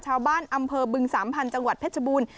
ชาวบ้านอำเภอบึงสามพันธุ์จังหวัดเพชรบูรณ์